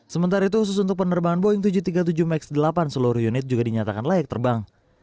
sementara itu khusus untuk penerbangan boeing tujuh ratus tiga puluh tujuh max delapan seluruh unit juga dinyatakan layak terbang